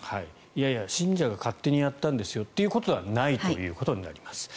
いやいや信者が勝手にやったんですよということではないということですね。